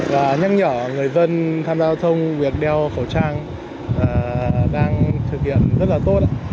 và nhắc nhở người dân tham gia giao thông việc đeo khẩu trang đang thực hiện rất là tốt